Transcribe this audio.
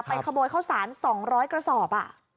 ขโมยข้าวสาร๒๐๐กระสอบ